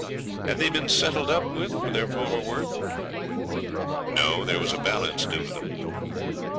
'Had they been settled up with for their former work?' 'No, there was a balance due to them.'